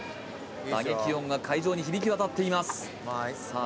打撃音が会場に響き渡っていますさあ